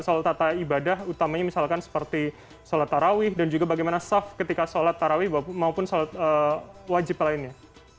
soal tata ibadah utamanya misalkan seperti sholat tarawih dan juga bagaimana saf ketika sholat tarawih maupun sholat wajib lainnya